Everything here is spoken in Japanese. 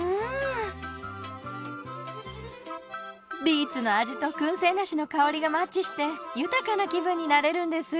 ビーツの味と燻製梨の香りがマッチして豊かな気分になれるんです。